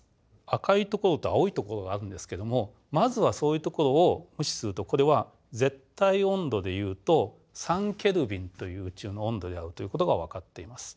赤いところと青いところがあるんですけどもまずはそういうところを無視するとこれは絶対温度で言うと３ケルビンという宇宙の温度であるということがわかっています。